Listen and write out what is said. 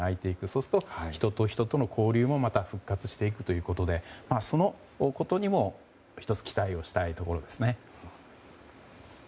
そうすると人と人との交流もまた復活していくということでそのことにも１つ期待をしたいところですね。